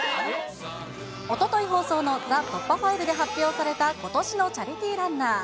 おととい放送の、ＴＨＥ突破ファイルで発表されたことしのチャリティーランナー。